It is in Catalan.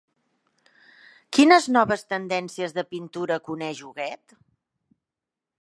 Quines noves tendències de pintura coneix Huguet?